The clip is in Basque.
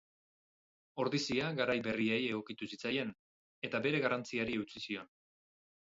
Ordizia garai berriei egokitu zitzaien, eta bere garrantziari eutsi zion.